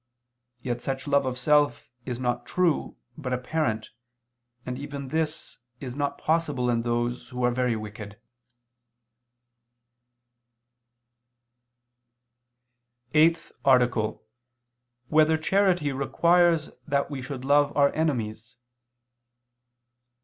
Yet such love of self is not true but apparent: and even this is not possible in those who are very wicked. _______________________ EIGHTH ARTICLE [II II, Q. 25, Art. 8] Whether Charity Requires That We Should Love Our Enemies?